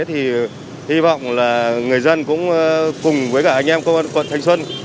thì hy vọng là người dân cũng cùng với cả anh em công an quận thanh xuân